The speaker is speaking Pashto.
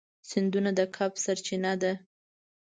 سیندونه د کب سرچینه ده.